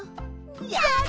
やった！